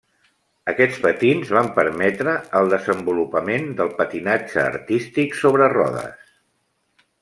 Aquests patins van permetre el desenvolupament del patinatge artístic sobre rodes.